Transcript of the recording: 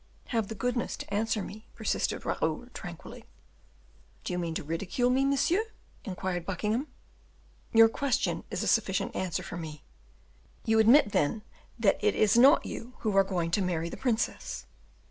"Have the goodness to answer me," persisted Raoul tranquilly. "Do you mean to ridicule me, monsieur?" inquired Buckingham. "Your question is a sufficient answer for me. You admit, then, that it is not you who are going to marry the princess?"